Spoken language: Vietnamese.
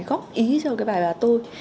góp ý cho cái bài bà tôi